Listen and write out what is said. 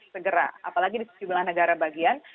segera apalagi di sejumlah negara bagian